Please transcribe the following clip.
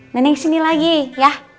neneng kesini lagi ya